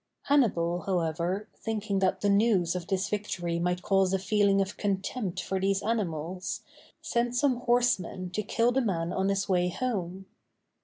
Hannibal, however, thinking that the news of this victory might cause a feeling of contempt for these animals, sent some horsemen to kill the man on his way home.